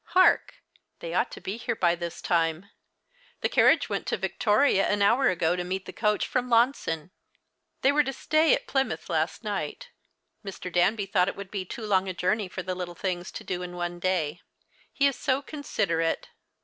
Hark ! They ought to be here by this time. The carriage Avent to Victoria an hour ago to meet the coach from Launceston. They were to stay at Ply mouth last night. Mr. Danby thought it would be too long a journey for the little things to do in one day. He is so considerate.